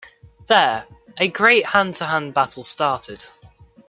There, a great hand-to-hand battle started.